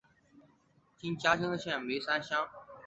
今嘉义县梅山乡。